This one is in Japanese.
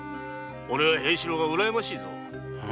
おれは平四郎がうらやましいぞ。